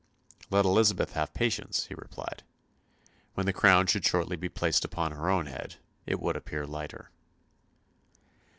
Let Elizabeth have patience, he replied. When the crown should shortly be upon her own head it would appear lighter.